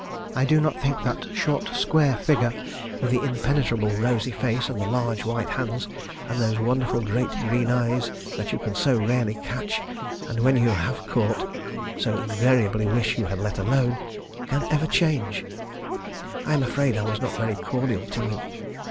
I do not think that short, square figure, with the impenetrable rosy face, and the large white hands, and those wonderful great green eyes that you can so rarely catch, and when you have caught, so invariably wish you had let alone, can ever change. I am afraid I was not very cordial to him.